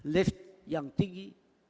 lift yang tinggi